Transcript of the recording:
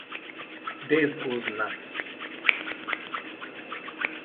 Dave Goes Nutz!